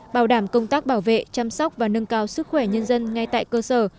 bảo đảm công tác bảo vệ chăm sóc và nâng cao sức khỏe nhân dân ngay tại cơ sở